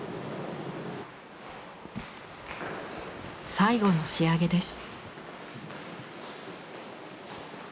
最後の仕上げです。